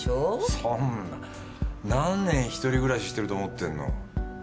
そんな何年一人暮らししてると思ってんの？